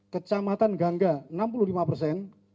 kecamatan gangga enam puluh lima persen